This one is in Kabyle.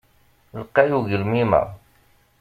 Lqay ugelmim-a.